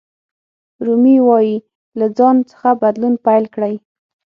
رومي وایي له ځان څخه بدلون پیل کړئ.